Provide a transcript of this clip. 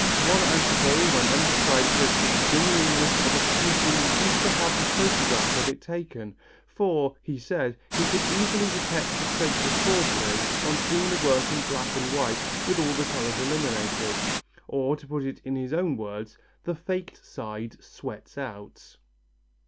One antiquary when undecided as to the genuineness of a painting used to have a photograph of it taken, for, he said, he could easily detect the traits of forgery on seeing the work in black and white with all colours eliminated, or, to put it in his own words: The faked side sweats out.